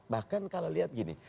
bahkan kalau lihat gini